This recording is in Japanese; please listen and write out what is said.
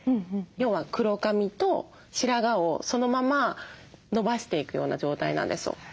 要は黒髪と白髪をそのまま伸ばしていくような状態なんですよ。